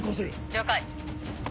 了解！